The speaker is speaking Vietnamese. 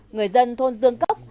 người dân thôn dương cốc